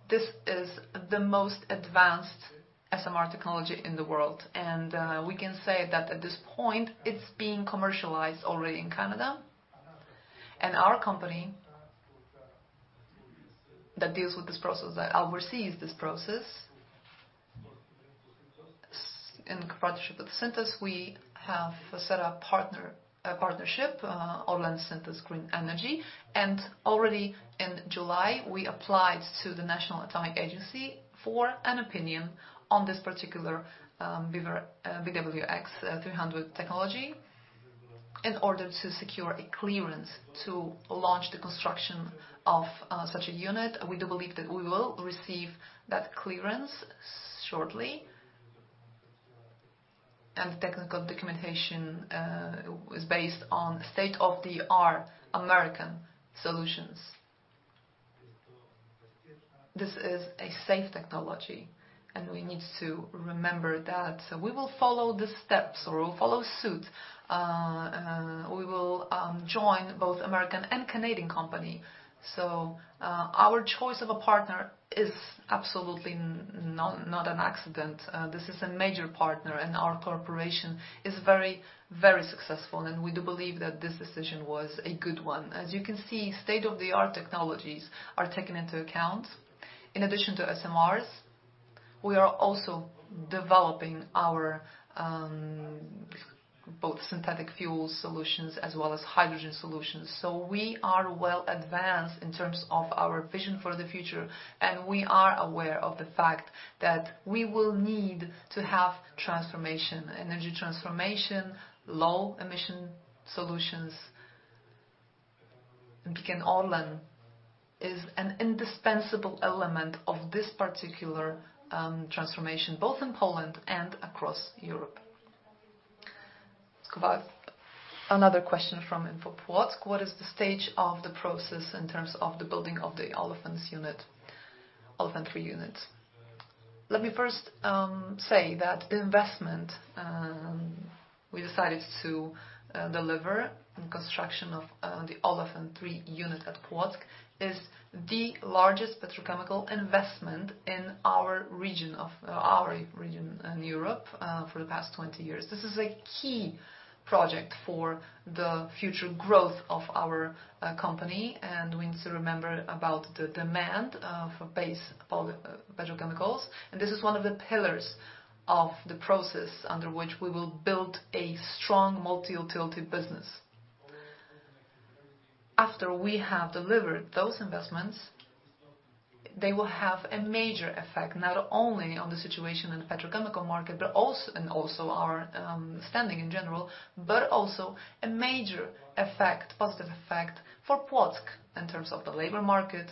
This is the most advanced SMR technology in the world, and we can say that at this point, it's being commercialized already in Canada. Our company that deals with this process, that oversees this process, in partnership with Synthos, we have set up a partnership, ORLEN Synthos Green Energy. Already in July, we applied to the National Atomic Agency for an opinion on this particular BWX-300 technology in order to secure a clearance to launch the construction of such a unit. We do believe that we will receive that clearance shortly. Technical documentation is based on state-of-the-art American solutions. This is a safe technology, and we need to remember that. We will follow the steps or we'll follow suit. We will join both American and Canadian company. Our choice of a partner is absolutely not an accident. This is a major partner, and our corporation is very, very successful, and we do believe that this decision was a good one. As you can see, state-of-the-art technologies are taken into account. In addition to SMRs, we are also developing our both synthetic fuel solutions as well as hydrogen solutions. We are well advanced in terms of our vision for the future, and we are aware of the fact that we will need to have transformation, energy transformation, low emission solutions. PKN ORLEN is an indispensable element of this particular, transformation, both in Poland and across Europe. Let's go back. Another question from infoPłock: What is the stage of the process in terms of the building of the Olefins unit, Olefins 3 unit? Let me first, say that the investment, we decided to, deliver in construction of, the Olefins 3 unit at Płock is the largest petrochemical investment in our region of, our region in Europe, for the past 20 years. This is a key project for the future growth of our, company, and we need to remember about the demand, for base poly, petrochemicals. This is one of the pillars of the process under which we will build a strong multi-utility business. After we have delivered those investments, they will have a major effect, not only on the situation in the petrochemical market, also our standing in general, but also a major effect, positive effect for Płock in terms of the labor market.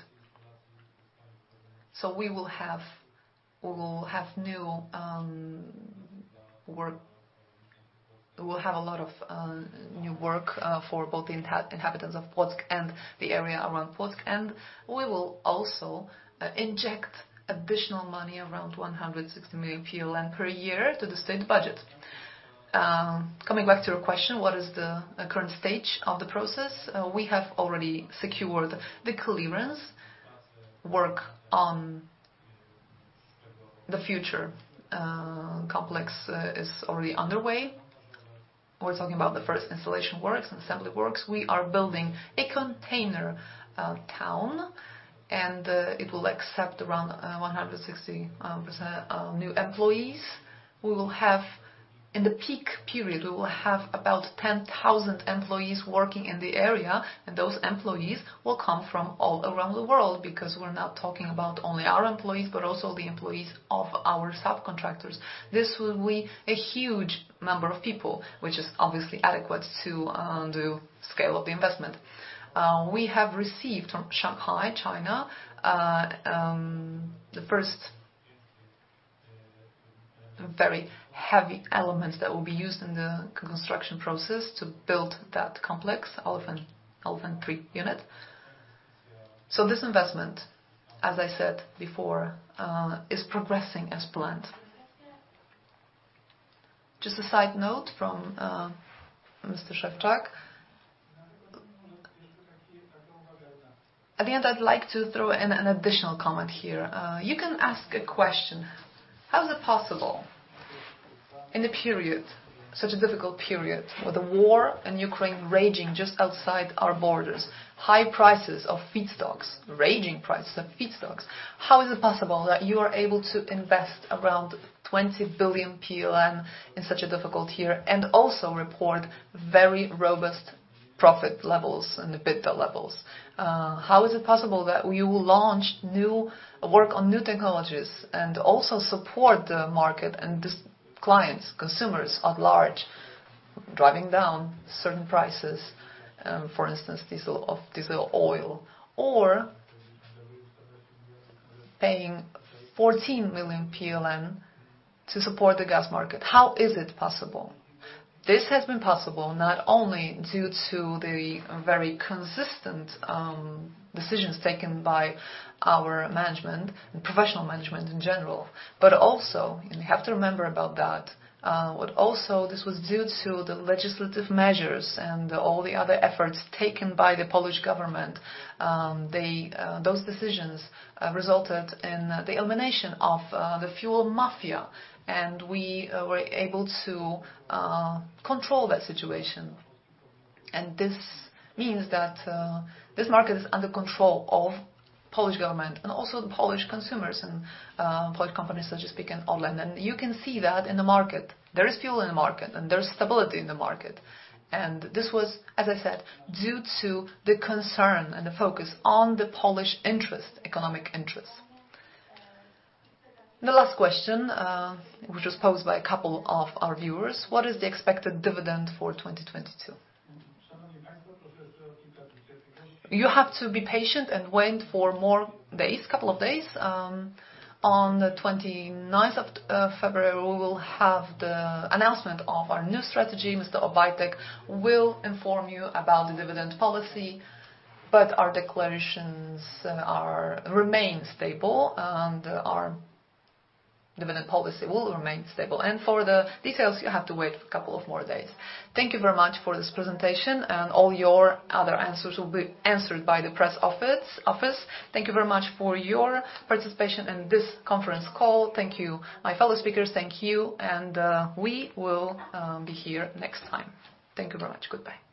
We will have new work. We'll have a lot of new work for both the inhabitants of Płock and the area around Płock. We will also inject additional money, around 160 million PLN per year, to the state budget. Coming back to your question, what is the current stage of the process? We have already secured the clearance work on the future. Complex is already underway. We're talking about the first installation works and assembly works. We are building a container town, and it will accept around 160% new employees. In the peak period, we will have about 10,000 employees working in the area, and those employees will come from all around the world because we're not talking about only our employees, but also the employees of our subcontractors. This will be a huge number of people, which is obviously adequate to the scale of the investment. We have received from Shanghai, China, the first very heavy elements that will be used in the construction process to build that complex, olefin, Olefins 3 unit. This investment, as I said before, is progressing as planned. Just a side note from Mr. Szewczak. At the end, I'd like to throw in an additional comment here. You can ask a question, how is it possible in the period, such a difficult period, with the war in Ukraine raging just outside our borders, high prices of feedstocks, raging prices of feedstocks, how is it possible that you are able to invest around 20 billion PLN in such a difficult year and also report very robust profit levels and EBITDA levels? How is it possible that you will launch new work on new technologies and also support the market and these clients, consumers at large, driving down certain prices, for instance, diesel, of diesel oil or paying 14 million PLN to support the gas market? How is it possible? This has been possible not only due to the very consistent decisions taken by our management and professional management in general, but also, and we have to remember about that, but also this was due to the legislative measures and all the other efforts taken by the Polish government. They, those decisions resulted in the elimination of the fuel mafia, and we were able to control that situation. This means that this market is under control of Polish government and also the Polish consumers and Polish companies such as PKN ORLEN. You can see that in the market. There is fuel in the market, and there's stability in the market. This was, as I said, due to the concern and the focus on the Polish interest, economic interest. The last question, which was posed by a couple of our viewers, what is the expected dividend for 2022? You have to be patient and wait for more days, couple of days. On the 29th of February, we will have the announcement of our new strategy. Mr. Obajtek will inform you about the dividend policy, but our declarations remain stable and our dividend policy will remain stable. For the details, you have to wait a couple of more days. Thank you very much for this presentation, and all your other answers will be answered by the press office. Thank you very much for your participation in this conference call. Thank you, my fellow speakers. Thank you. We will be here next time. Thank you very much. Goodbye.